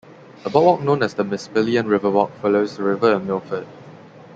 A boardwalk known as the Mispillion Riverwalk follows the river in Milford.